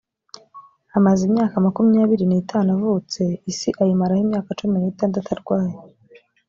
amaze imaka makumyabiri n’itanu avutse isi ayimaraho imyaka cumi n’itandatu arwaye